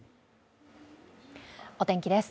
お天気です。